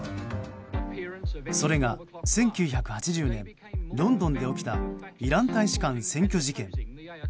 それが、１９８０年ロンドンで起きたイラン大使館占拠事件。